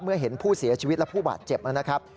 เห็นผู้เสียชีวิตและผู้บาดเจ็บนะครับ